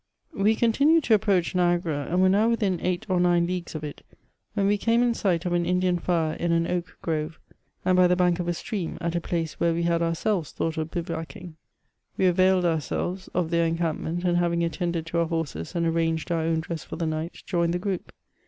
We continued to approach Niagara, and were now within eight or nine leagues of it, when we came in sight of an Indian fire in an oak grove, and by the bank of a stream, at a place where we had ourselves thought of bivouacking. We availed ourselves of their encampment, and having attended to our horses, and ar ranged our own dress for the night, joined the group.